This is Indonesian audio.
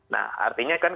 nah artinya kan